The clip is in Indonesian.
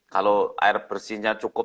kalau air bersihnya cukup